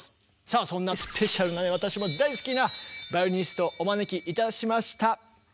さあそんなスペシャルな私も大好きなバイオリニストお招きいたしました。